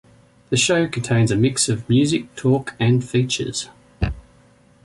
The show contains a mix of music, talk and features.